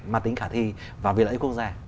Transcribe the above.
mà tính khả thi vào việc lợi ích quốc gia